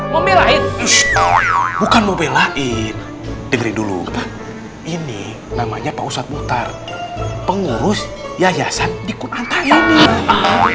membelain bukan mau belain dengerin dulu ini namanya pak ustadz bukhtar pengurus yayasan di kunantaya nih